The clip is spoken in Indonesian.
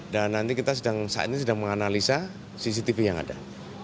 dan nanti kita saat ini sedang menganalisa cctv yang ada